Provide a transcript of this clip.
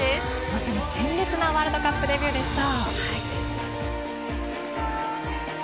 まさに鮮烈なワールドカップデビューでした。